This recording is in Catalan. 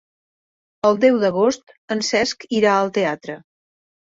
El deu d'agost en Cesc irà al teatre.